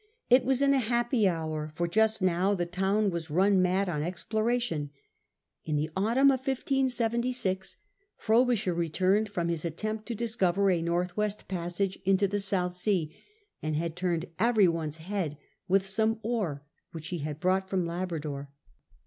It was in a happy hour, for just now the town was run mad on exploration. In the autumn of 1676 Frobisher returned from his attempt to discover a north west passage into the South Sea, and had turned every one's head with some ore which he had brought from Labrador.